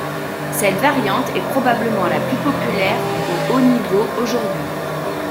Cette variante est probablement la plus populaire au haut niveau aujourd'hui.